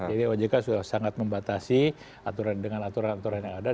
jadi ojk sudah sangat membatasi dengan aturan aturan yang ada